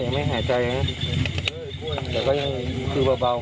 ไม่หายใจนะแต่ก็ยังดูเบามาก